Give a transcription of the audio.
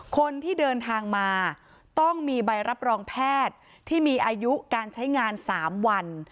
คนที่เดินทางมาต้องมีใบรับรองแพทย์ที่มีอายุการใช้งาน๓วัน